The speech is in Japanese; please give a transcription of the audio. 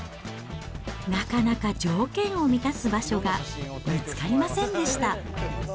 なかなか条件を満たす場所が見つかりませんでした。